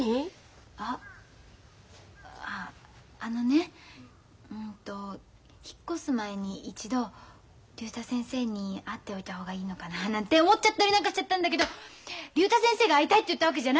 あっあのねうんと引っ越す前に一度竜太先生に会っておいた方がいいのかななんて思っちゃったりなんかしちゃったんだけど竜太先生が会いたいって言ったわけじゃないの。